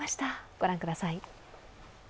御覧ください。